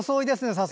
早速。